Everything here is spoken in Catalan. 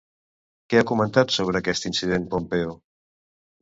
Què ha comentat sobre aquest incident Pompeo?